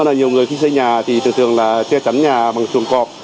là nhiều người khi xây nhà thì thường thường là che chắn nhà bằng chuồng cọp